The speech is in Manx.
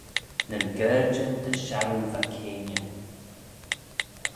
Nyn gaarjyn dy sharroo va keayney.